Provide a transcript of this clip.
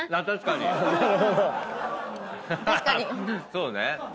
そうね。